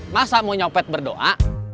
masa mau nyopet berdoa